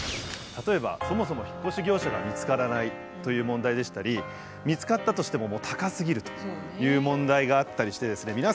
例えばそもそも引っ越し業者が見つからないという問題でしたり見つかったとしても高すぎるという問題があったりしてですね